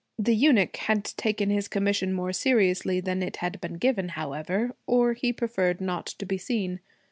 The eunuch had taken his commission more seriously than it had been given, however, or he preferred not to be seen.